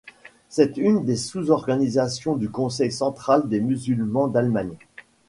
C'est une des sous-organisations du conseil central des musulmans d'Allemagne.